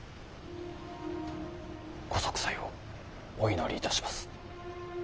ご息災をお祈りいたします。